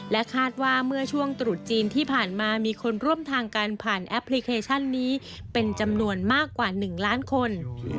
คาดว่าเมื่อช่วงตรุษจีนที่ผ่านมามีคนร่วมทางการผ่านแอปพลิเคชันนี้เป็นจำนวนมากกว่า๑ล้านคน